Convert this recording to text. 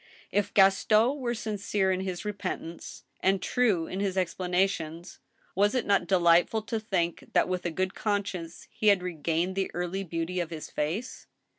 If Gaston were sincere in his repentance and true in his explana tions, was it not delightful to think that with a good conscience he had regained the early beauty of his face